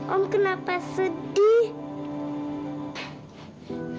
om kenapa sedih